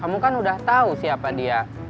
kamu kan udah tahu siapa dia